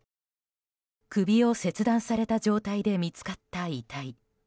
首を切断された状態で見つかった遺体。